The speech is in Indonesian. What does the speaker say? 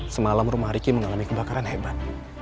semalam rumah riki mengalami kebakaran hebat